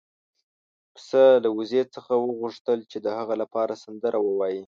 پسه له وزې څخه وغوښتل چې د هغه لپاره سندره ووايي.